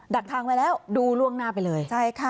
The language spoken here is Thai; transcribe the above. ักทางไว้แล้วดูล่วงหน้าไปเลย